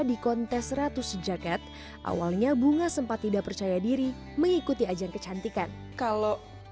di kontes seratus jaket awalnya bunga sempat tidak percaya diri mengikuti ajang kecantikan kalau